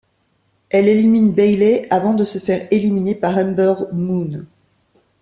Elle élimine Bayley avant de se faire éliminer par Ember Moon.